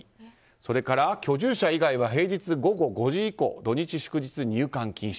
それから居住者以外は平日午後５時以降土日祝日入館禁止。